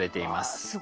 わすごい。